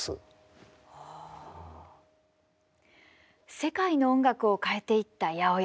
世界の音楽を変えていった８０８。